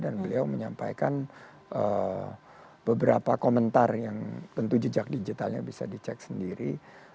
dan beliau menyampaikan beberapa komentar yang tentu jejak digitalnya bisa dicek sendiri